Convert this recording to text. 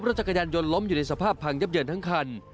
จักรยานยนต์ล้มอยู่ในสภาพพังยับเยินทั้งคัน